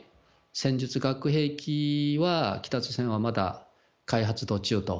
戦術核兵器は北朝鮮はまだ開発途中と。